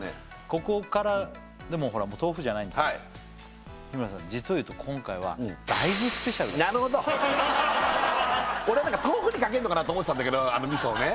ここからでもほら豆腐じゃないんです日村さん実を言うと今回はなるほど俺何か豆腐にかけるのかなと思ってたんだけどあの味噌をね